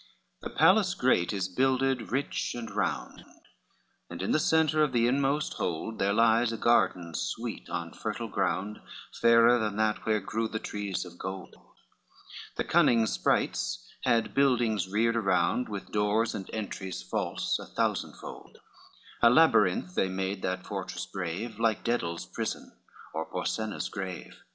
I The palace great is builded rich and round, And in the centre of the inmost hold There lies a garden sweet, on fertile ground, Fairer than that where grew the trees of gold: The cunning sprites had buildings reared around With doors and entries false a thousandfold, A labyrinth they made that fortress brave, Like Daedal's prison, or Porsenna's grave.